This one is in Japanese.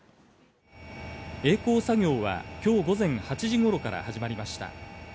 えい航作業は今日午前８時頃から始まりました。